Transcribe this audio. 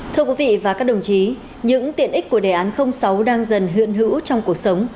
thưa quý vị và các đồng chí những tiện ích của đề án sáu đang dần hiện hữu trong cuộc sống